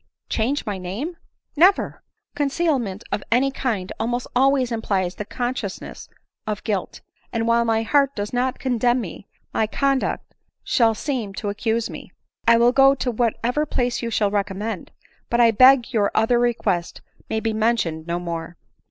91 " Change my name ! Never. Concealment of any kind almost always implies the consciousness of guilt ; and while my heart does not condemn me, my conduct shall not seem to accuse me. I will go to whatever place you shall recommend ; but I beg your other request may be mentioned no more."